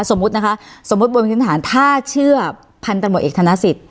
สมมุติบนพิสิทธิ์ฐานถ้าเชื่อพันธบเอกธนสิทธิ์